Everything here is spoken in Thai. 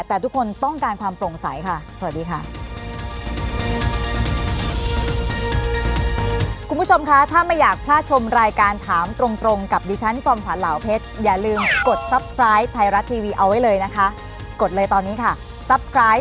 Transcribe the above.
แต่ทุกคนต้องการความโปร่งใสค่ะสวัสดีค่ะ